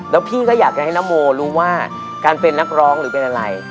แล้วพี่ก็อยากจะให้นโมรู้ว่าการเป็นนักร้องหรือเป็นอะไร